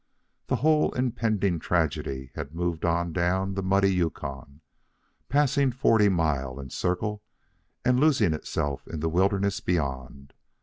The whole impending tragedy had moved on down the muddy Yukon, passing Forty Mile and Circle and losing itself in the wilderness beyond.